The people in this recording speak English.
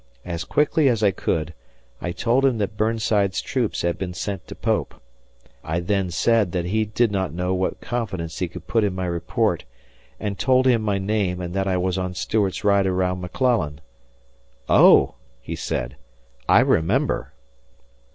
As quickly as I could, I told him that Burnside's troops had been sent to Pope. I then said that he did not know what confidence he could put in my report and told him my name and that I was on Stuart's ride around McClellan. "Oh," he said, "I remember."